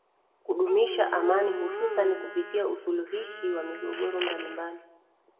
Kudumisha amani hususan kupitia usuluhishi wa migogoro mbalimbali